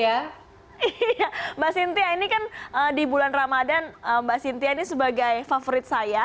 iya mbak sintia ini kan di bulan ramadan mbak sintia ini sebagai favorit saya